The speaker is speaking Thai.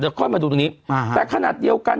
เดี๋ยวค่อยมาดูตรงนี้แต่ขนาดเดียวกัน